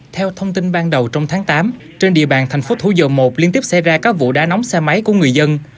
theo thông tin ban đầu trong tháng tám trên địa bàn thành phố thủ dầu một liên tiếp xảy ra các vụ đá nóng xe máy của người dân